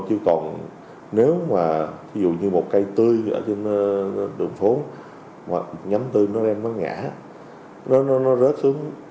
chứ còn nếu mà ví dụ như một cây tươi ở trên đường phố nhắm tươi nó đem nó ngã nó rớt xuống